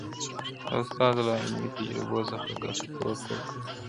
د استاد له علمي تجربو څخه ګټه پورته کړه.